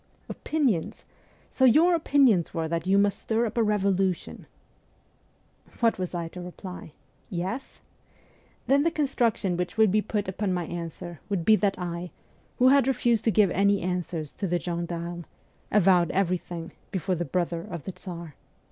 ' Opinions ! So your opinions were that you must stir up a revolution ?' What was I to reply ? Yes ? Then the construc tion which would be put upon my answer would be THE ESCAPE 161 that I, who had refused to give any answers to the gendarmes, ' avowed everything ' before the brother of the Tsar.